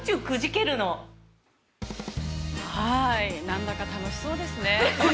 ◆何だか楽しいそうですね。